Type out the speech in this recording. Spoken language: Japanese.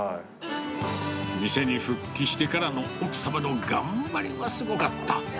店に復帰してからの奥様の頑張りはすごかった。